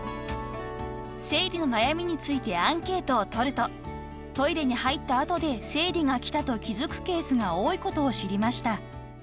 ［生理の悩みについてアンケートを取るとトイレに入った後で生理が来たと気付くケースが多いことを知りました］